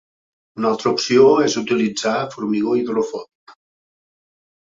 Una altra opció és utilitzar formigó hidrofòbic.